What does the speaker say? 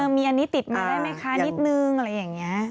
มีอันนี้ติดมาได้ไหมคะนิดนึงอะไรอย่างนี้